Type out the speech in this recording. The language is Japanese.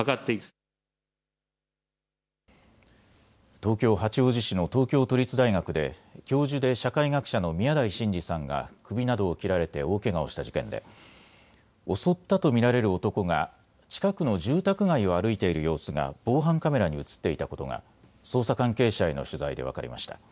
東京八王子市の東京都立大学で教授で社会学者の宮台真司さんが首などを切られて大けがをした事件で襲ったと見られる男が近くの住宅街を歩いている様子が防犯カメラに写っていたことが捜査関係者への取材で分かりました。